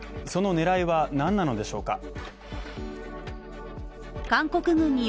その狙いは何なのでしょうか？